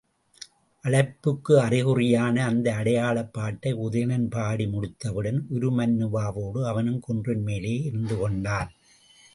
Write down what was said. அழைப்புக்கு அறிகுறியான அந்த அடையாளப் பாட்டை உதயணன் பாடி முடித்தவுடன் உருமண்ணுவாவோடு அவனும் குன்றின் மேலேயே இருந்து கொண்டான்.